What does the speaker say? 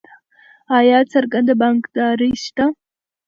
آیا ګرځنده بانکداري شته؟